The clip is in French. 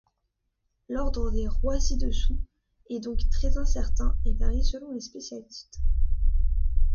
L'ordre des rois ci-dessous est donc très incertain et varie selon les spécialistes.